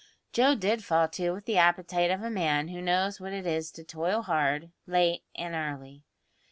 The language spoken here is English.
Joe did fall to with the appetite of a man who knows what it is to toil hard, late and early.